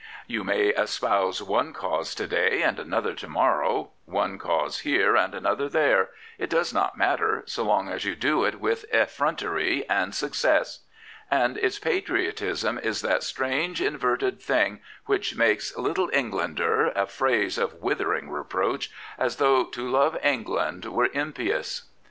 You may espouse one cause to day and another to morrow, one cause here and another there: it does not matter so long as you do it with effrontery and success. And its patriotism is that strange, inverted thing which makes ' Little Eng lander * a phrase of withering reproach, as though to love England were impjous.